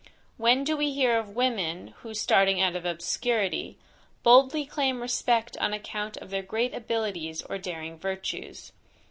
When do we hear of women, who starting out of obscurity, boldly claim respect on account of their great abilities or daring virtues?